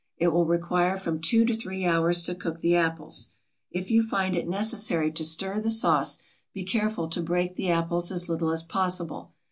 It will require from two to three hours to cook the apples. If you find it necessary to stir the sauce be careful to break the apples as little as possible.